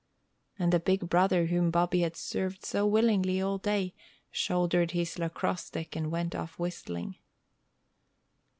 And the big brother, whom Bobby had served so willingly all day, shouldered his lacrosse stick and went off whistling.